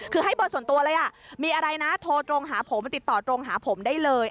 คือให้โปสต์ตัวเลยโทรตรงขาผมติดต่อตรงขาผมได้เลย